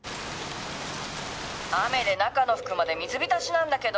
雨で中の服まで水浸しなんだけど！